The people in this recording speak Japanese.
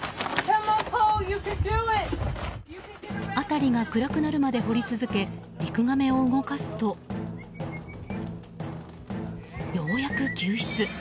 辺りが暗くなるまで掘り続けリクガメを動かすとようやく救出。